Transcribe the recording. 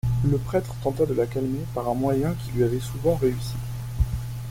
Le prêtre tenta de la calmer par un moyen qui lui avait souvent réussi.